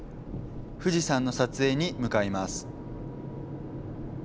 富士山の撮影に向かいます。